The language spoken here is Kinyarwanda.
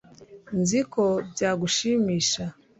Nzi ko byagushimisha